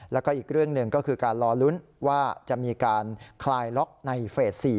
แล้วก็อีกเรื่องหนึ่งก็คือการรอลุ้นว่าจะมีการคลายล็อกในเฟส๔